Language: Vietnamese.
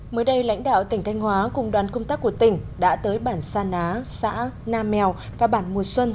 mới đây lãnh đạo tỉnh thanh hóa cùng đoàn công tác của tỉnh đã tới bản sa ná xã nam mèo và bản mùa xuân